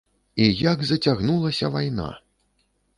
І як зацягнулася вайна!